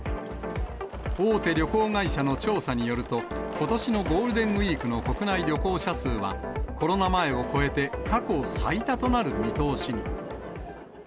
大手旅行会社の調査によると、ことしのゴールデンウィークの国内旅行者数は、コロナ前を超えて過去最多となる見通しに。